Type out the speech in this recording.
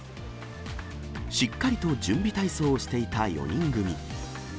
しっかりと準備体操をしていた４人組。